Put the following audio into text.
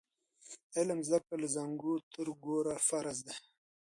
د علم زده کړه له زانګو تر ګوره فرض دی.